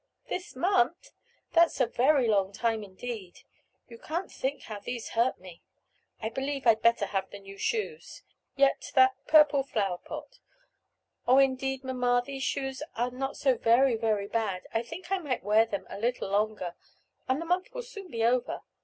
"This month! that's a very long time, indeed! You can't think how these hurt me; I believe I'd better have the new shoes. Yet, that purple flower pot. Oh, indeed, mamma, these shoes are not so very, very bad! I think I might wear them a little longer, and the month will soon be over.